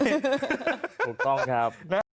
ถูกต้องครับ